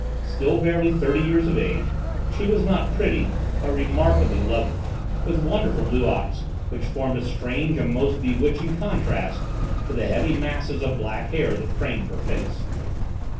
Still barely thirty years of age, she was not pretty but remarkably lovely, with wonderful blue eyes which formed a strange and most bewitching contrast to the heavy masses of black hair that framed her face.